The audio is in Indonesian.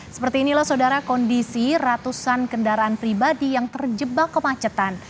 seperti inilah saudara kondisi ratusan kendaraan pribadi yang terjebak kemacetan